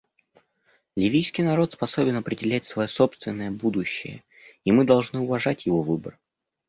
Ливийский народ способен определять свое собственное будущее, и мы должны уважать его выбор.